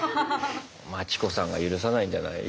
マチコさんが許さないんじゃない？